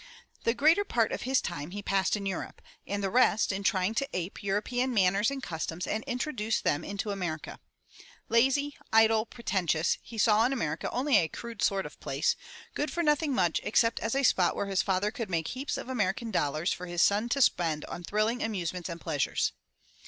The greater part of his time he passed in Europe and the rest in trying to ape European manners and customs and introduce them into America. Lazy, idle, pretentious, he saw in America only a crude sort of place, good for nothing much except as a spot where his father could make heaps of American dollars for his son to spend on thrilling amusements and pleasures.